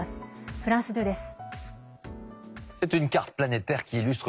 フランス２です。